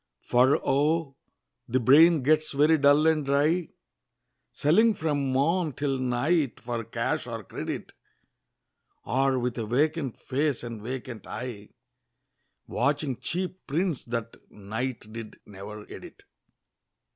For oh! the brain gets very dull and dry, Selling from morn till night for cash or credit; Or with a vacant face and vacant eye, Watching cheap prints that Knight did never edit.